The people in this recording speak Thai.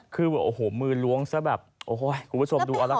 คือแบบโอ้โหมือล้วงซะแบบโอ้โหคุณผู้ชมดูเอาละกัน